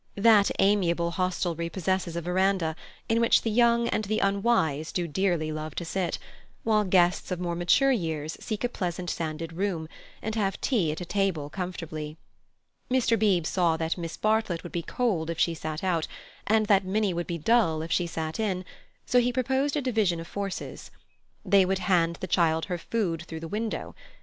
That amiable hostelry possesses a verandah, in which the young and the unwise do dearly love to sit, while guests of more mature years seek a pleasant sanded room, and have tea at a table comfortably. Mr. Beebe saw that Miss Bartlett would be cold if she sat out, and that Minnie would be dull if she sat in, so he proposed a division of forces. They would hand the child her food through the window.